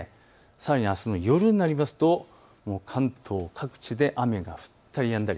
あすの夜になりますと関東各地で雨が降ったりやんだり。